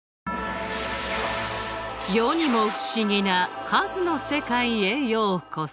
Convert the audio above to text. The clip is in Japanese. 世にも不思議な数の世界へようこそ。